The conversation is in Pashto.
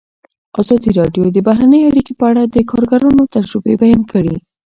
ازادي راډیو د بهرنۍ اړیکې په اړه د کارګرانو تجربې بیان کړي.